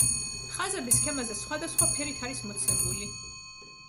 ხაზები სქემაზე სხვადასხვა ფერით არის მოცემული.